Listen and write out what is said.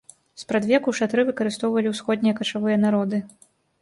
Спрадвеку шатры выкарыстоўвалі ўсходнія качавыя народы.